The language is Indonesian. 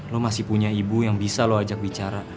lu masih punya ibu yang bisa lu ajak bicara